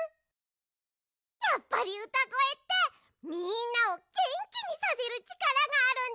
やっぱりうたごえってみんなをげんきにさせるちからがあるんだね！